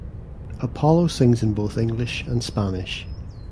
Apollo sings in both English and Spanish.